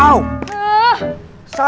apaan sih udah nyampe